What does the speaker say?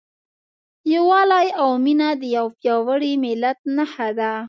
یووالی او مینه د یو پیاوړي ملت نښه ده.